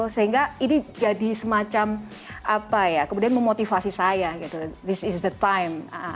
sehingga ini jadi semacam apa ya kemudian memotivasi saya gitu this is the time